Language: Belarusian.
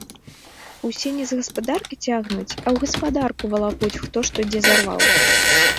Усе не з гаспадаркі цягнуць, а ў гаспадарку валакуць хто што дзе зарваў.